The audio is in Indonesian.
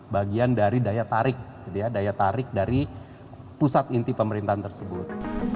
bagian dari daya tarik daya tarik dari pusat inti pemerintahan tersebut